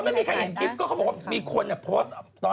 ไม่มีใครเห็นคลิปก็เขาบอกว่ามีคนโพสต์